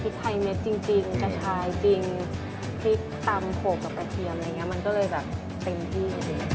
พริกไทยเม็ดจริงกระชายจริงพริกตำโขลกกับกระเทียมมันก็เลยแบบเต็มที่